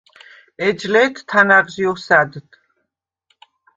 ეჯ ლე̄თ თანა̈ღჟი ოსა̈დდ.